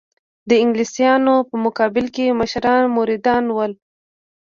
د انګلیسیانو په مقابل کې مشران مریدان ول.